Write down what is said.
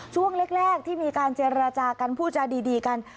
ช่วงแรกที่มีการเจรจากันพูดจาดีกัน